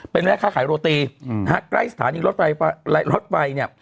เป็นแม่ค้าขายโรตีนะฮะใกล้สถานีรถไฟรถไฟเนี่ย